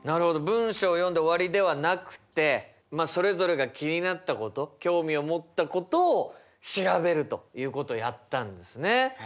文章を読んで終わりではなくてそれぞれが気になったこと興味を持ったことを調べるということをやったんですね。